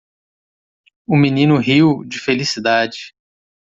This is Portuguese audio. O menino riu - de felicidade.